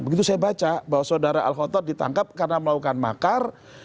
begitu saya baca bahwa saudara al khotot ditangkap karena melakukan makar